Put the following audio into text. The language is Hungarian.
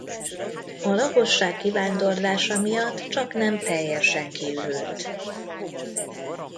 A lakosság kivándorlása miatt csaknem teljesen kiürült.